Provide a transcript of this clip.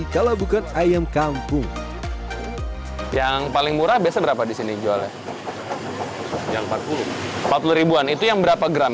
kalau bukan ayam kampung yang paling murah biasa berapa di sini jualnya yang empat puluh empat puluh ribuan itu yang berapa gram